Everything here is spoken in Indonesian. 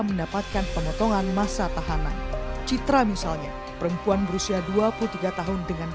mendapatkan pemotongan masa tahanan citra misalnya perempuan berusia dua puluh tiga tahun dengan